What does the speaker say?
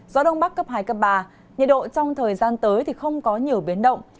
gió đông bắc cấp hai cấp ba nhiệt độ trong thời gian tới thì không có nhiều biến động